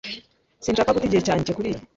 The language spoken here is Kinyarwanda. Sinshaka guta igihe cyanjye kuriyi